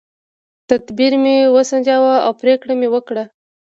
تدبیر مې وسنجاوه او پرېکړه مې وکړه.